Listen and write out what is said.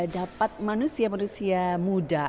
dapat manusia manusia muda